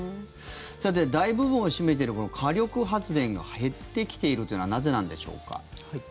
さて、大部分を占めている火力発電が減ってきているというのはなぜなんでしょうか。